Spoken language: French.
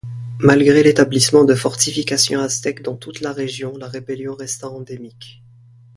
Malgré l'établissement de fortifications aztèques dans toute la région, la rébellion resta endémique.